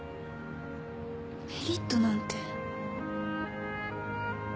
メリットなんて。